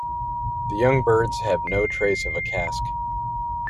The young birds have no trace of a casque.